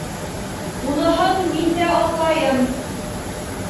Уныһын мин дә аңлайым...